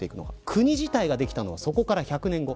国自体ができたのはそこから１００年後。